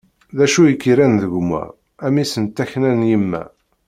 D acu i k-irran d gma, a mmi-s n takna n yemma?